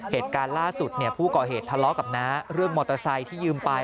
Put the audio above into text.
เหตุการณ์ล่าสุดผู้ก่อเหตุทะเลาะกับน้าเรื่องมอเตอร์ไซค์ที่ยืมไป